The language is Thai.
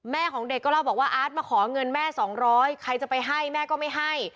ของเด็กก็เล่าบอกว่าอาร์ตมาขอเงินแม่สองร้อยใครจะไปให้แม่ก็ไม่ให้